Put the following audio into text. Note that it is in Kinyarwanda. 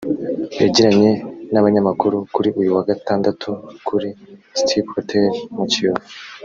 yagiranye n’abanyamakuru kuri uyu wa Gatandatu kuri Stipp Hotel mu Kiyovu